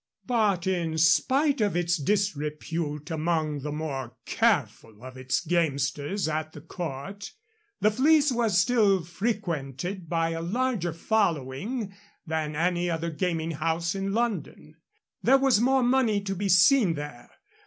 But in spite of its disrepute among the more careful of its gamesters at the court, the Fleece was still frequented by a larger following than any other gaming house in London. There was more money to be seen there.